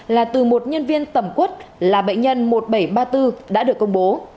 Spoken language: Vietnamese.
là từ một nhân viên tẩm quất là bệnh nhân một nghìn bảy trăm ba mươi bốn đã được công bố